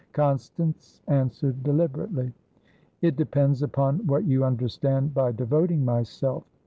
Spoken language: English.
Constance answered deliberately. "It depends upon what you understand by devoting myself.